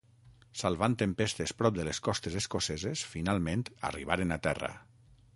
Salvant tempestes prop de les costes escoceses finalment arribaren a terra.